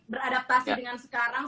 beradaptasi dengan sekarang